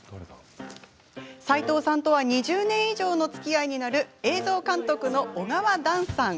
斎藤さんとは２０年以上のつきあいになる映像監督の小川弾さん。